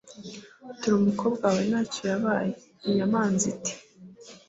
dore umukobwa wawe nta cyo yabaye.' inyamanza iti